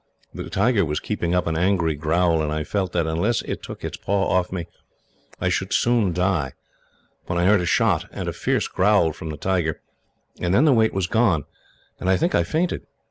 "The tiger was keeping up an angry growl, and I felt that, unless it took its paw off me, I should soon die, when I heard a shot, and a fierce growl from the tiger, and then the weight was gone, and I think I fainted.